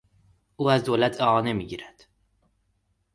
او از دولت اعانه میگیرد.